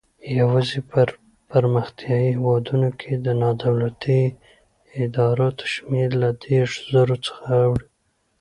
یوازې په پرمختیایي هیوادونو کې د نادولتي ادراراتو شمېر له دېرش زرو څخه اوړي.